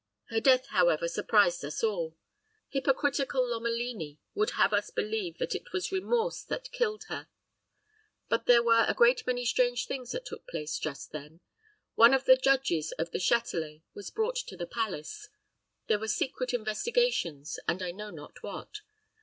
Her death, however, surprised us all. Hypocritical Lomelini would have us believe that it was remorse that killed her; but there were a great many strange things took place just then. One of the judges of the Châtelet was brought to the palace there were secret investigations, and I know not what.